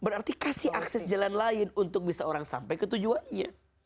berarti kasih akses jalan lain untuk bisa orang sampai ke tujuannya